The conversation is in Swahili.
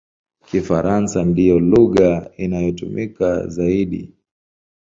Kifaransa ndiyo lugha inayotumika zaidi.